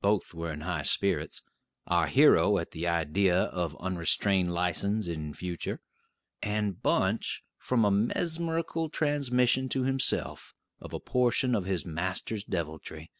Both were in high spirits: our hero at the idea of unrestrained license in future; and Bunch from a mesmerical transmission to himself of a portion of his master's deviltry.